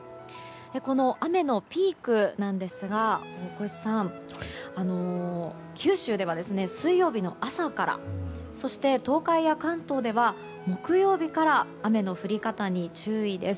この雨のピークですが大越さん、九州では水曜日の朝からそして、東海や関東では木曜日から雨の降り方に注意です。